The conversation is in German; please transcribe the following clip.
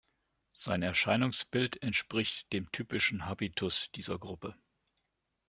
Sein Erscheinungsbild entspricht dem typischen Habitus dieser Gruppe.